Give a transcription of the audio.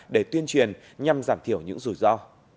để tuyên truyền nhằm giảm thiểu những rủi ro